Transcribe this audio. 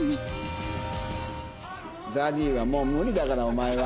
ＺＡＺＹはもう無理だからお前は。